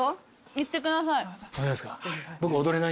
いってください。